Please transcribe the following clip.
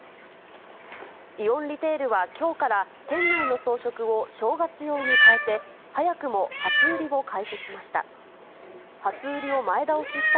イオンリテールはきょうから、店内の装飾を正月用に変えて、早くも初売りを開始しました。